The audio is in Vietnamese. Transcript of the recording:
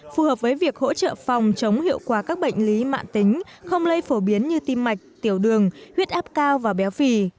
phù hợp với việc hỗ trợ phòng chống hiệu quả các bệnh lý mạng tính không lây phổ biến như tim mạch tiểu đường huyết áp cao và béo phì